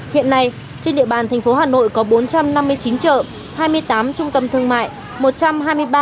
hiện nay trên địa bàn thành phố hà nội có bốn trăm năm mươi chín chợ hai mươi tám trung tâm thương mại